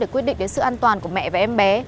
quyết định đến sự an toàn của mẹ và em bé